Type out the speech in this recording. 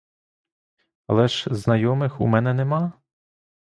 Але ж знайомих у мене нема?